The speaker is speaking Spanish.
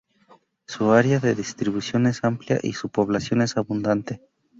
Su área de distribución es amplia y su población es abundante.